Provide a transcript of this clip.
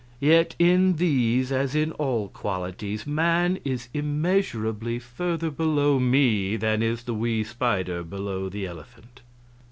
Yet in these, as in all qualities, man is immeasurably further below me than is the wee spider below the elephant.